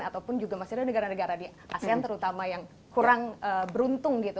ataupun juga masih ada negara negara di asean terutama yang kurang beruntung gitu